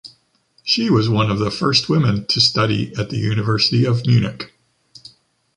She was one of the first women to study at the University of Munich.